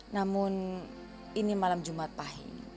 namun ini malam jumat pahi